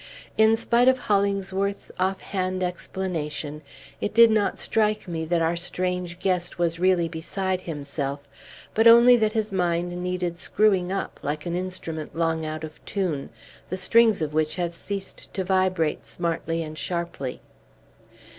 In spite of Hollingsworth's off hand explanation, it did not strike me that our strange guest was really beside himself, but only that his mind needed screwing up, like an instrument long out of tune, the strings of which have ceased to vibrate smartly and sharply.